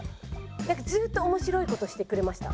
ずっと面白い事してくれました。